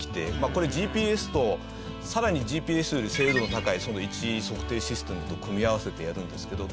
これＧＰＳとさらにＧＰＳより精度の高い位置測定システムと組み合わせてやるんですけど。